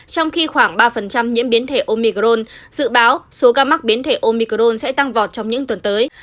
trong khi khoảng ba nhiễm biến thể omicron dự báo số ca mắc biến thể omicron sẽ tăng vọt trong những tuần tới